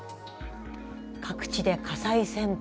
各地で火災旋風。